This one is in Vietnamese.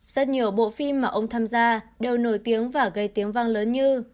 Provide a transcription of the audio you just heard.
rất nhiều bộ phim mà ông tham gia đều nổi tiếng và gây tiếng vang lớn như